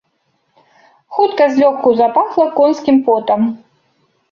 Хутка злёгку запахла конскім потам.